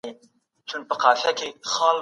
ایا ته د زکات په احکامو پوهېږې؟